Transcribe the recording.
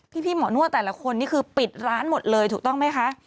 พี่หมอนวดแต่ละคนนี่คือปิดร้านหมดเลยถูกต้องไหมคะ